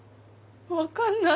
わかんない。